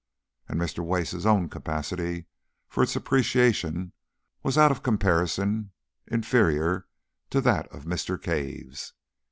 And Mr. Wace's own capacity for its appreciation was out of comparison inferior to that of Mr. Cave's.